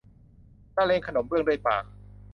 ละเลงขนมเบื้องด้วยปาก